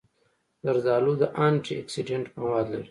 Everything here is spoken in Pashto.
زردالو د انټي اکسېډنټ مواد لري.